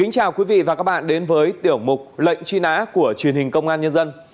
chào mừng quý vị đến với tiểu mục lệnh truy nã của truyền hình công an nhân dân